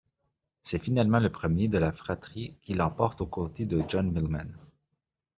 C'est finalement le premier de la fratrie qui l'emporte aux côtés de John Millman.